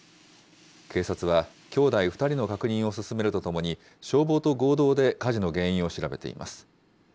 警察は、兄弟２人の確認を進めるとともに、消防と合同で火事の原因を調べています。